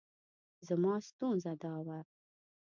زما ستونزه دا وه.